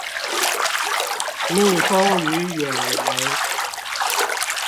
蜜蜂與遠雷